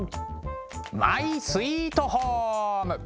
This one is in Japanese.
マイスイートホーム！